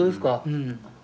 うん。